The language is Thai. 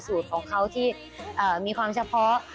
สูตรของเขาที่มีความเฉพาะ